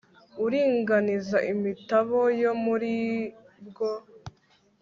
Uringaniza imitabo yo muri bwo